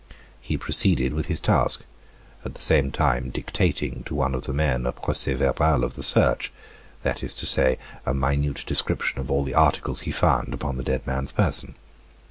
He proceeded with his task, at the same time dictating to one of the men a proces verbal of the search; that is to say, a minute description of all the articles he found upon the dead man's person.